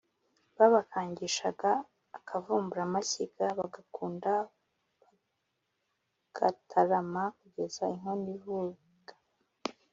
babakangishaga akavumburamashyiga bagakunda bagatarama kugeza inkono ivuga